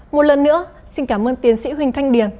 một lần nữa xin cảm ơn tiến sĩ huỳnh thanh điền